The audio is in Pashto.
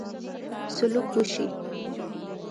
سلوک وشي.